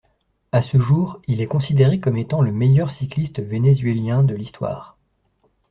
À ce jour, il est considéré comme étant le meilleur cycliste vénézuélien de l'histoire.